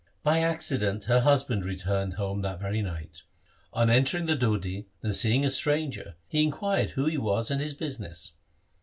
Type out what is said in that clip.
By accident her husband returned home that very night. On entering the deudhi, and seeing a stranger, he in quired who he was and his business.